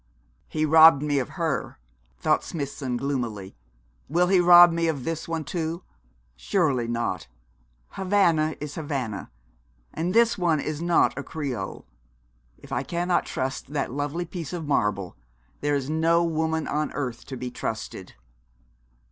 'He robbed me of her!' thought Smithson, gloomily. 'Will he rob me of this one too? Surely not! Havana is Havana and this one is not a Creole. If I cannot trust that lovely piece of marble, there is no woman on earth to be trusted.'